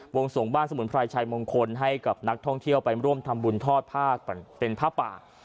วงส่งบ้านสมุนไพรชัยมงคลให้กับนักท่องเที่ยวไปร่วมทำบุญทอดผ้าก่อนเป็นผ้าป่า